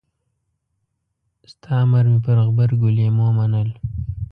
ستا امر مې پر غبرګو لېمو منل.